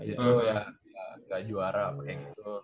itu ya ga juara apa kayak gitu